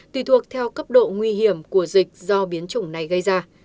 tùy thuộc theo cấp độ nguy hiểm của dịch do biến chủng này gây ra